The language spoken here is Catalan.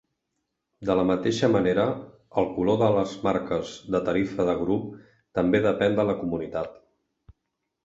De la mateixa manera, el color de les marques de tarifa de grup també depèn de la comunitat.